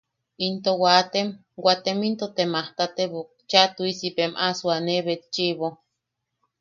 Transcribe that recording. Into waatem, waatem into te majtatebok cheʼa tuʼisi bem a suane betchiʼibo.